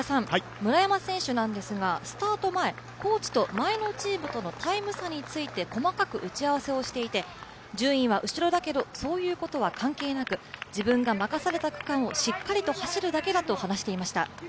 村山選手ですが、スタート前、コーチと前のチームとのタイム差について細かく打ち合わせをしていて順位は後ろだけど、そういうことは関係なく、自分が任された区間をしっかりと走るだけだと話していました。